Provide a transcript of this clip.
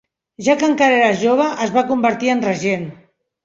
Ja que encara era jove, es va convertir en regent.